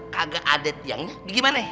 kagak adet yang gimane